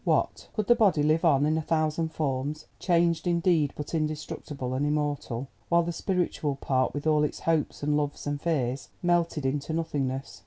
What, could the body live on in a thousand forms, changed indeed but indestructible and immortal, while the spiritual part, with all its hopes and loves and fears, melted into nothingness?